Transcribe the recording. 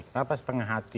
kenapa setengah hati